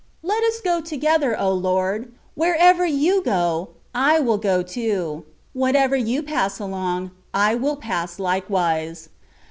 Let us go together, O Lord ! Wherever You go, I will go too : whatever You pass along, I will pass likewise.